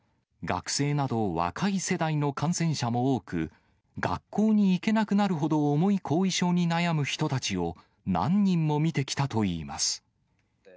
学生など、若い世代の感染者も多く、学校に行けなくなるほど重い後遺症に悩む人たちを何人も診てきたといいます。